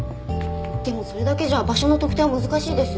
でもそれだけじゃ場所の特定は難しいですよ。